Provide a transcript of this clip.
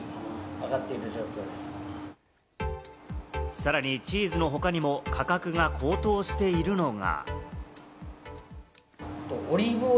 さらにチーズの他にも価格が高騰しているのが。